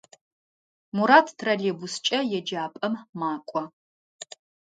Мурат троллейбускӏэ еджапӏэм макӏо.